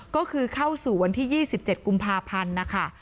ก็คือเข้าสู่วันที่๒๗กุมภาพันธ์นะคะ